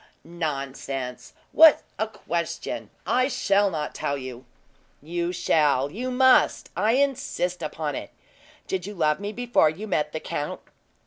"Nonsense. What a question! I shall not tell you." "You shall you must I insist upon it. Did you love me before you met the count?